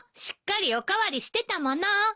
しっかりお代わりしてたもの。